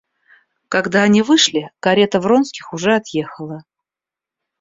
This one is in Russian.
Когда они вышли, карета Вронских уже отъехала.